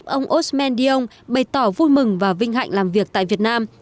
ông ousmane dion bày tỏ vui mừng và vinh hạnh làm việc tại việt nam